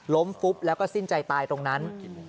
ฟุบแล้วก็สิ้นใจตายตรงนั้น